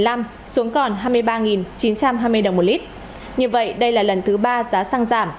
xuống còn hai mươi ba chín trăm hai mươi đồng một lít như vậy đây là lần thứ ba giá xăng giảm